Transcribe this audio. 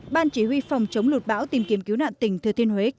ban chỉ huy phòng chống lụt bão tìm kiếm cứu nạn tỉnh thừa thiên huế